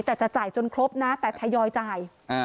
แต่จะจ่ายจนครบนะแต่ทยอยจ่าย